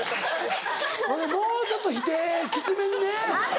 ほんでもうちょっと否定きつめにね。